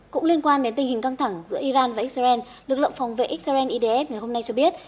cũng liên quan đến tình hình căng thẳng giữa iran và israel lực lượng phòng vệ israel idf ngày hôm nay cho biết